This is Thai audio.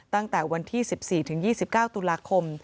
ตั้งแต่วันที่๑๔๒๙ตุลาคม